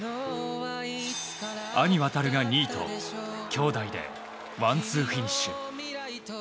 兄・航が２位と兄弟でワンツーフィニッシュ。